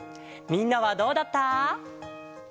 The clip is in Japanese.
みんなはどうだった？